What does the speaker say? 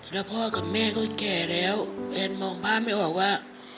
แล้วพ่อกับแม่ก็แก่แล้วแฟนมองภาพไม่ออกว่า